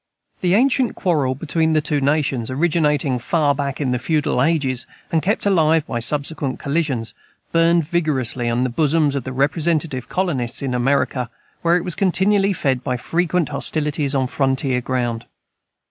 The ancient quarrel between the two nations, originating far back in the feudal ages, and kept alive by subsequent collisions, burned vigorously in the bosoms of the respective colonists in America, where it was continually fed by frequent hostilities on frontier ground.